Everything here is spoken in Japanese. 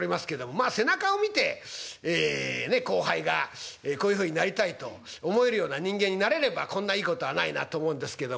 まあ背中を見て後輩がこういうふうになりたいと思えるような人間になれればこんないいことはないなと思うんですけども。